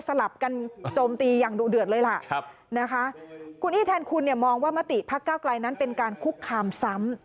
ลับกันโจมตีอย่างดุเดือดเลยล่ะนะคะคุณอี้แทนคุณเนี่ยมองว่ามติพักเก้าไกลนั้นเป็นการคุกคามซ้ำ